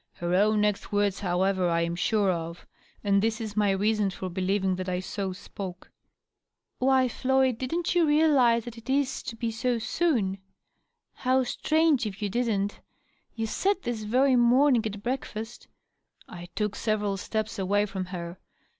Her own next words, however, I am sure of; and this is my reason for believingthat I so spoke. "Why, Floyd, didn't you realize that it is to be so soon? How strange if you didn't ! You said this very morning, at breakfast " I took several steps away from her.